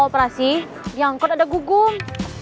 mau operasi diangkot ada gugum